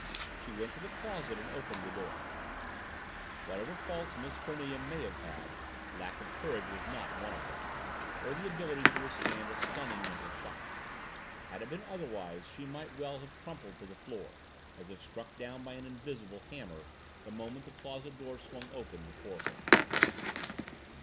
She went to the closet and opened the door. Whatever faults Miss Cornelia may have had, lack of courage was not one of them or the ability to withstand a stunning mental shock. Had it been otherwise she might well have crumpled to the floor, as if struck down by an invisible hammer, the moment the closet door swung open before her.